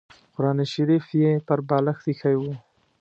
قران شریف یې پر بالښت اېښی و.